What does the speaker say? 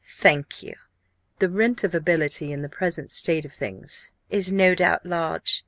Thank you! The 'rent of ability' in the present state of things is, no doubt, large.